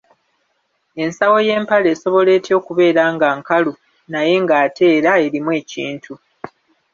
Ensawo y’empale esobola etya okubeera nga nkalu naye ng’ate era erimu ekintu?